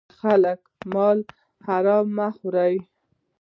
د خلکو مال حرام مه خوره.